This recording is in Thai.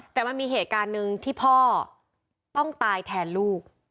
แต่มันมีเหตุการณ์หนึ่งที่พ่อต้องตายแทนลูก